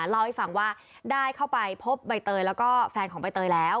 เล่าให้ฟังว่าได้เข้าไปพบใบเตยแล้วก็แฟนของใบเตยแล้ว